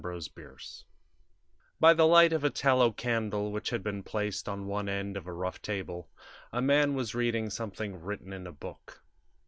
Putnam's Sons I By THE light of a tallow candle, which had been placed on one end of a rough table, a man was reading something written in a book.